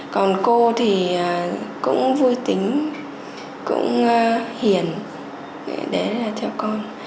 còn cô thì cũng vui tính cũng hiền đấy là theo con